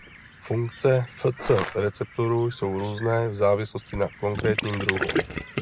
Funkce Fc receptorů jsou různé v závislosti na konkrétním druhu.